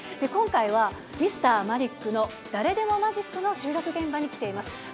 今回は「Ｍｒ．マリックの誰でもマジック」の収録現場に来ています。